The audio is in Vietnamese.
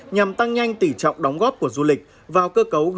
nhằm tăng nhanh tỉ trọng đóng góp của du lịch vào cơ cấu grdp của tỉnh